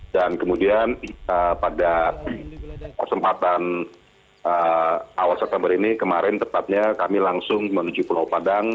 dan kemudian pada kesempatan awal september ini kemarin tepatnya kami langsung menuju pulau padang